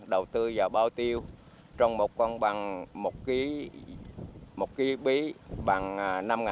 đầu tư vào bao tiêu trong một con bằng một ký bí bằng năm tăng